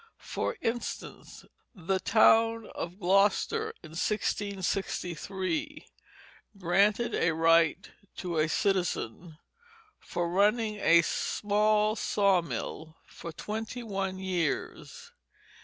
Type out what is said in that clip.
For instance, the town of Gloucester in 1663 granted a right to a citizen for running a small sawmill for twenty one years.